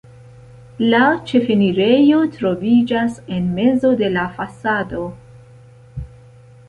La ĉefenirejo troviĝas en mezo de la fasado.